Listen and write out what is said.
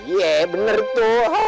iya bener tuh